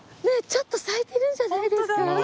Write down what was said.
ねえちょっと咲いてるんじゃないですか？